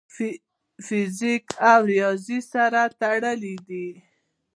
فزیک او ریاضي سره تړلي دي.